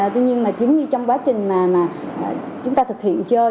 tuy nhiên mà giống như trong quá trình mà chúng ta thực hiện chơi